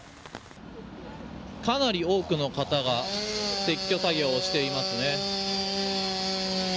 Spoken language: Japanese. かなり多くの方が撤去作業をしていますね。